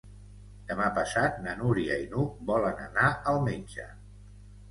Demà passat na Núria i n'Hug volen anar al metge.